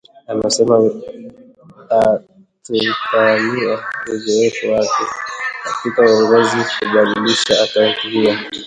amesema atatumia uzoefu wake katika uongozi kubadilisha kaunti hiyo